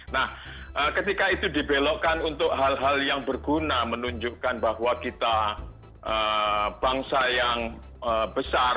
nah ketika itu dibelokkan untuk hal hal yang berguna menunjukkan bahwa kita bangsa yang besar